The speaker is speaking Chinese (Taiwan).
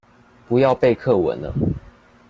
不要背課文了